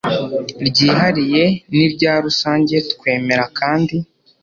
ryihariye n irya rusange Twemera kandi